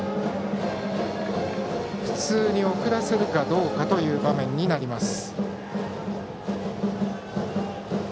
普通に送らせるかどうかという場面になります。